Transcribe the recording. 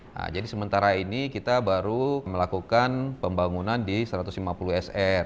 nah jadi sementara ini kita baru melakukan pembangunan di satu ratus lima puluh sr